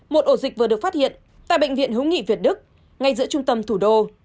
một ổ dịch vừa được phát hiện tại bệnh viện hữu nghị việt đức ngay giữa trung tâm thủ đô